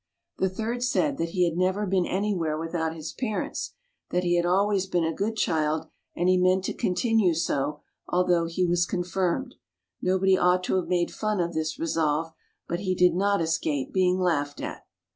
The third said that he had never been anywhere without his parents, that he had always been a good child and he meant to continue so, although he was con firmed; nobody ought to have made fun of this resolve, but he did not escape being laughed at.